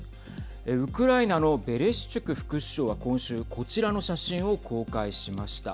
ウクライナのベレシチュク副首相は今週こちらの写真を公開しました。